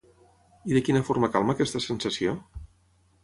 I de quina forma calma aquesta sensació?